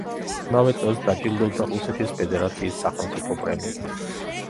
იმავე წელს დაჯილდოვდა რუსეთის ფედერაციის სახელმწიფო პრემიით.